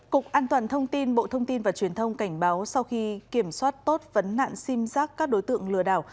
cục an toàn thông tin bộ thông tin và truyền thông cảnh báo sau khi kiểm soát tốt vấn nạn sim giác các đối tượng lừa đảo